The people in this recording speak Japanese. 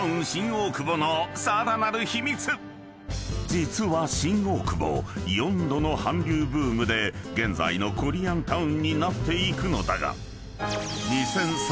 ［実は新大久保四度の韓流ブームで現在のコリアンタウンになっていくのだが］